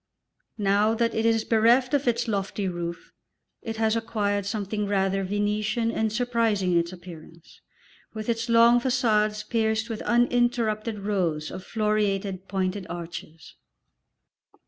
Now that it is bereft of its lofty roof it has acquired something rather Venetian and surprising in its appearance, with its long façades pierced with uninterrupted rows of floreated pointed arches.